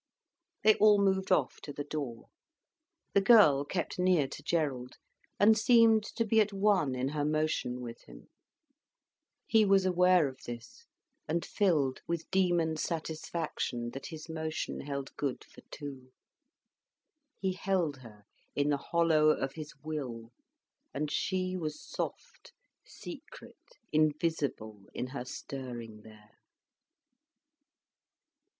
They all moved off to the door. The girl kept near to Gerald, and seemed to be at one in her motion with him. He was aware of this, and filled with demon satisfaction that his motion held good for two. He held her in the hollow of his will, and she was soft, secret, invisible in her stirring there.